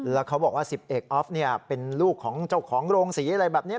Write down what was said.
แล้วเขาบอกว่า๑๐เอกออฟเป็นลูกของเจ้าของโรงศรีอะไรแบบนี้